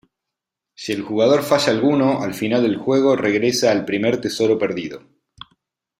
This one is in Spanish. Si el jugador falla alguno, al final del juego regresa al primer tesoro perdido.